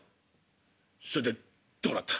「それでどうなった？」。